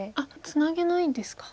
ツナげないんですか。